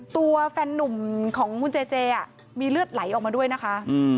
ตัวแฟนนุ่มของคุณเจเจมีเลือดไหลออกมาด้วยนะคะ